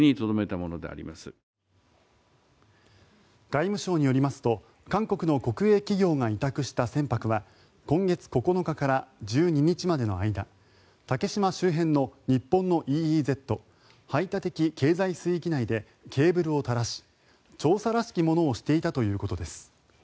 外務省によりますと韓国の国営企業が委託した船舶は今月９日から１２日までの間竹島周辺の日本のＥＥＺ・排他的経済水域内でケーブルを垂らし調査らしきものをしていたということです。